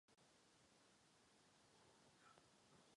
Profesí je právníkem.